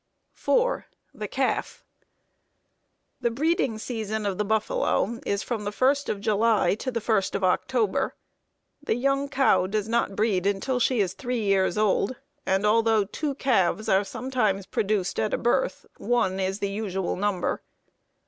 4. The Calf. The breeding season of the buffalo is from the 1st of July to the 1st of October. The young cow does not breed until she is three years old, and although two calves are sometimes produced at a birth, one is the usual number.